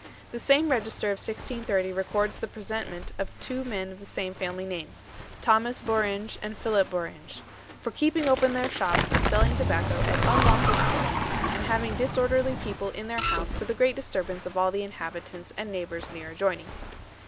The same Register of 1630 records the presentment of two men of the same family name Thomas Bouringe and Philip Bouringe "for keeping open their shops and selling tobacco at unlawful hours, and having disorderly people in their house to the great disturbance of all the inhabitants and neighbours near adjoining."